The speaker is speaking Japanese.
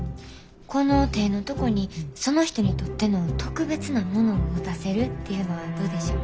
この手のとこにその人にとっての特別なものを持たせるっていうのはどうでしょう？